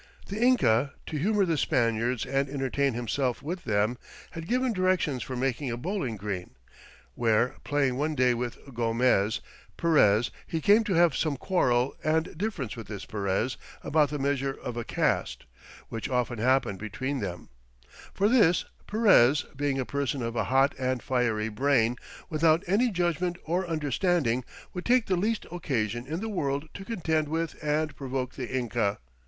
"The Inca, to humour the Spaniards and entertain himself with them, had given directions for making a bowling green; where playing one day with Gomez Perez, he came to have some quarrel and difference with this Perez about the measure of a Cast, which often happened between them; for this Perez, being a person of a hot and fiery brain, without any judgment or understanding, would take the least occasion in the world to contend with and provoke the Inca